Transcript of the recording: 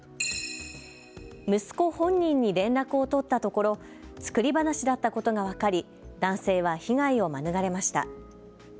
息子本人に連絡を取ったところ作り話だったことが分かり男性は被害を免れました。